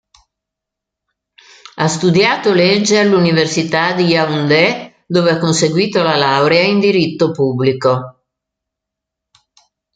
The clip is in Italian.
Ha studiato legge all'Università di Yaoundé, dove ha conseguito la laurea in diritto pubblico.